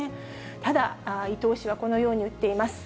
ただ、伊藤氏はこのように言っています。